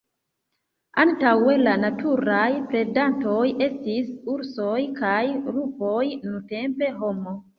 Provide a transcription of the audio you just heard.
Antaŭe la naturaj predantoj estis ursoj kaj lupoj; nuntempe homo.